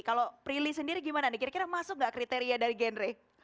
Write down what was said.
kalau prilly sendiri gimana nih kira kira masuk nggak kriteria dari genre